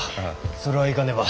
それは行かねば。